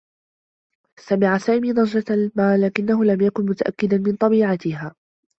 سمع سامي ضجّة ما لكنّه لم يكن متأكّدا من طبيعتها.